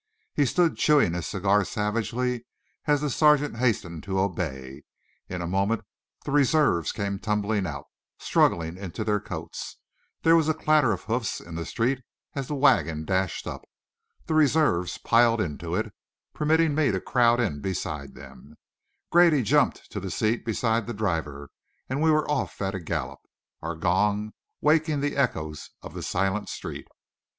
He stood chewing his cigar savagely as the sergeant hastened to obey. In a moment, the reserves came tumbling out, struggling into their coats; there was a clatter of hoofs in the street as the wagon dashed up; the reserves piled into it, permitting me to crowd in beside them, Grady jumped to the seat beside the driver, and we were off at a gallop, our gong waking the echoes of the silent street.